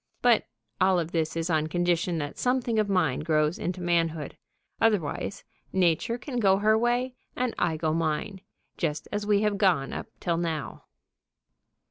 But all of this is on condition that something of mine grows into manhood. Otherwise, Nature can go her way and I go mine, just as we have gone up till now.